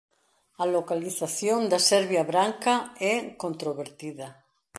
A localización da Serbia Branca é controvertida.